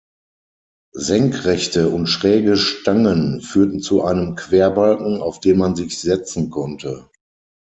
Senkrechte und schräge Stangen führten zu einem Querbalken, auf den man sich setzen konnte.